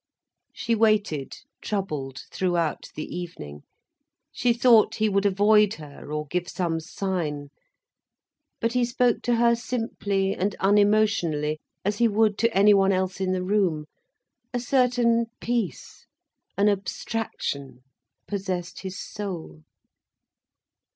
She waited, troubled, throughout the evening. She thought he would avoid her, or give some sign. But he spoke to her simply and unemotionally, as he would to anyone else in the room. A certain peace, an abstraction possessed his soul.